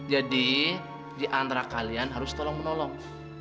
jadi di antara kalian harus tolong menolong